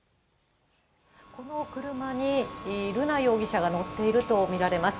この車に、瑠奈容疑者が乗っていると見られます。